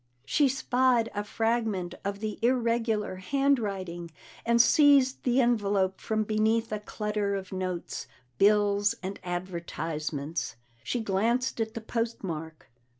She spied a fragment of the irregular handwriting and seized the envelope from beneath a clutter of notes, bills, and advertisements. She glanced at the post mark.